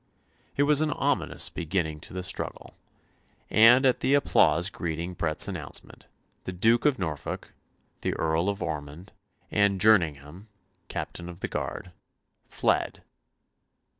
It was an ominous beginning to the struggle, and at the applause greeting Bret's announcement, the Duke of Norfolk, the Earl of Ormond, and Jerningham, Captain of the Guard, fled.